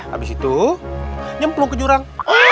habis itu nyemplung ke jurang